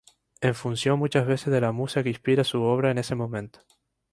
En función, muchas veces, de la musa que inspira su obra en ese momento.